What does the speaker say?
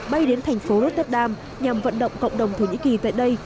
bay đến thành phố rotterdam nhằm vận động cộng đồng thổ nhĩ kỳ tại đây